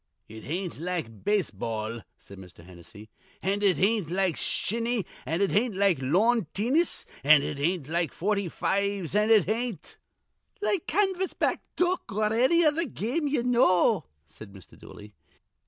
"It ain't like base ball," said Mr. Hennessy, "an' it ain't like shinny, an' it ain't like lawn teenis, an' it ain't like forty fives, an' it ain't" "Like canvas back duck or anny other game ye know," said Mr. Dooley.